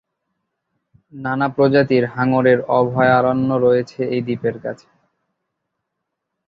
নানা প্রজাতির হাঙরের অভয়ারণ্য রয়েছে এই দ্বীপের কাছে।